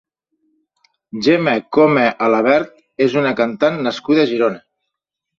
Gemma Coma-Alabert és una cantant nascuda a Girona.